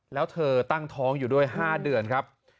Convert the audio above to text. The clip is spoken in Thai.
แล้วเธอตั้งท้องอยู่ด้วย๕เดือนครับ